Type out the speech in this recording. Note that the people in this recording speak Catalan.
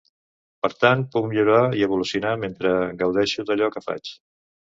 Per tant, puc millorar i evolucionar mentre gaudeixo d’allò que faig.